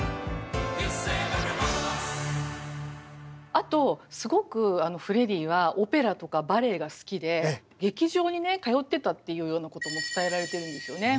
あとすごくフレディはオペラとかバレエが好きで劇場にね通ってたっていうようなことも伝えられているんですよね。